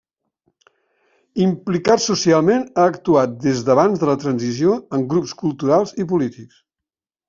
Implicat socialment ha actuat des d'abans de la transició en grups culturals i polítics.